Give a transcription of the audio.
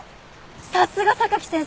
さすが榊先生！